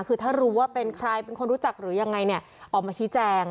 คือถ้ารู้ว่าเป็นใครเป็นคนรู้จักหรือยังไงเนี่ยออกมาชี้แจง